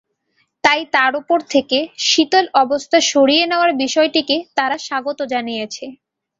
তাই তার ওপর থেকে শীতল অবস্থা সরিয়ে নেওয়ার বিষয়টিকে তারা স্বাগত জানিয়েছে।